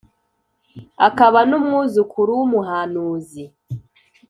akaba n’umwuzukuru w’umuhanuzi